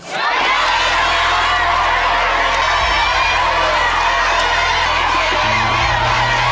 ใหญ่เด้วเล็ก